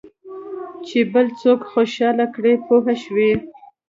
چې بل څوک خوشاله کړې پوه شوې!.